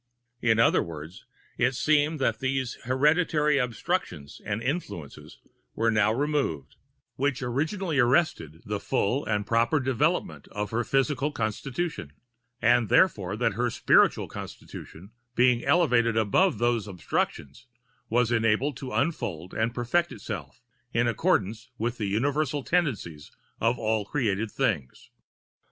In other words, it seemed that those hereditary obstructions and influences were now removed, which originally arrested the full and proper[Pg 198] development of her physical constitution; and, therefore, that her spiritual constitution, being elevated above those obstructions, was enabled to unfold and perfect itself, in accordance with the universal tendencies of all created things.